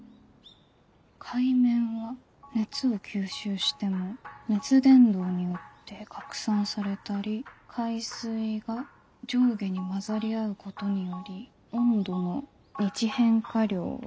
「海面は熱を吸収しても熱伝導によって拡散されたり海水が上下に混ざり合うことにより温度の日変化量は２℃以下」。